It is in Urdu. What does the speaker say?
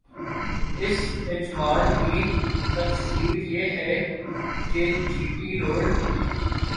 اس اجمال کی تفصیل یہ ہے کہ جی ٹی روڈ